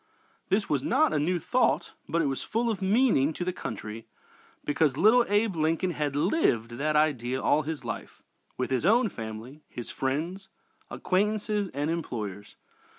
This was not a new thought, but it was full of meaning to the country because little Abe Lincoln had lived that idea all his life, with his own family, his friends, acquaintances, and employers.